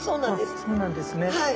あっそうなんですね。